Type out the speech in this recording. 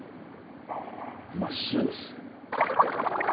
真っ白です。